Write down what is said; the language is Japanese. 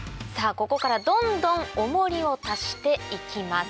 ここからどんどん重りを足していきます